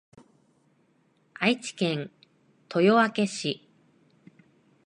愛知県豊明市